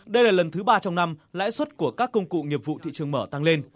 đây là lần thứ ba trong năm lãi suất của các công cụ nghiệp vụ thị trường mở tăng lên